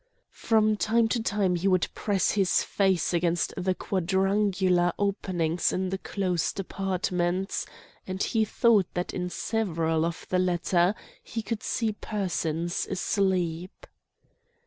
From time to time he would press his face against the quadrangular openings in the closed apartments, and he thought that in several of the latter he could see persons asleep.